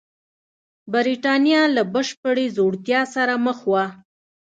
برېټانیا له بشپړې ځوړتیا سره مخ وه.